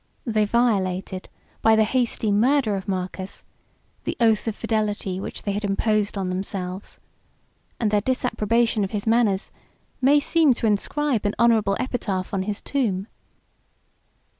They violated, by the hasty murder of Marcus, the oath of fidelity which they had imposed on themselves; and their disapprobation of his manners may seem to inscribe an honorable epitaph on his tomb.